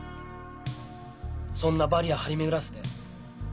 そんなバリア張り巡らせて。